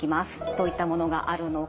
どういったものがあるのか。